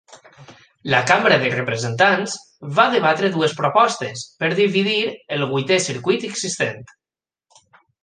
La Cambra de Representants va debatre dues propostes per dividir el Vuitè Circuit existent.